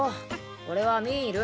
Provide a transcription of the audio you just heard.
これはミール。